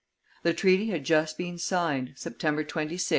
The treaty had just been signed (September 26, 1786).